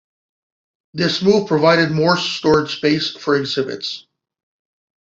This move provided more storage space for exhibits.